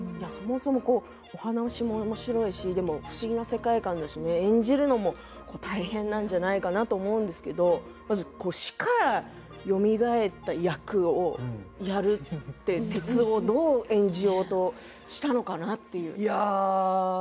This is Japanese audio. お話もおもしろいし不思議な世界観だし演じるのも大変なんだなと思うんですけれども死からよみがえった役をやるって徹生をどう演じようとしたのかなという。